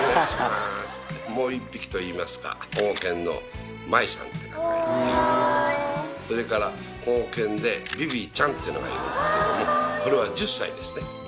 すもう１匹といいますか保護犬のマリさんって方がいるんでございますけどもそれから保護犬でビビちゃんっていうのがいるんですけどもこれは１０歳ですね